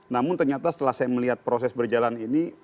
namun ternyata setelah saya melihat proses berjalan ini